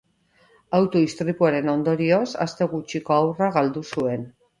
Auto-istripuaren ondorioz aste gutxiko haurra galdu zuen